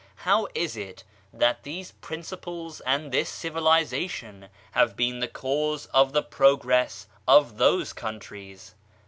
How is it that these principles and this civilization have been the cause of the progress of those coun tries?